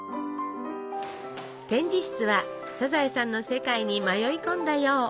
展示室は「サザエさん」の世界に迷い込んだよう！